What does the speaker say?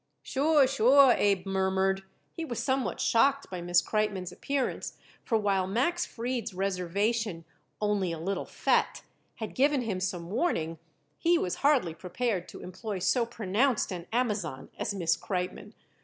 "Sure, sure," Abe murmured. He was somewhat shocked by Miss Kreitmann's appearance, for while Max Fried's reservation, "only a little fat," had given him some warning, he was hardly prepared to employ so pronounced an Amazon as Miss Kreitmann.